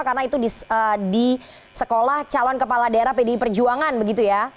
karena itu di sekolah calon kepala daerah pdi perjuangan begitu ya